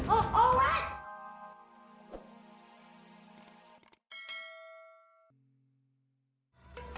oh oh apaan